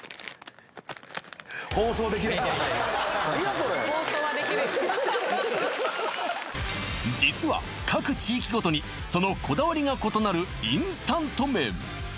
何やそれ実は各地域ごとにそのこだわりが異なるインスタント麺